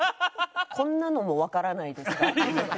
「こんなのもわからないですか？」。